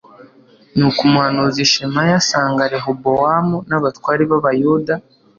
nuko umuhanuzi shemaya asanga rehobowamu n'abatware b'abayuda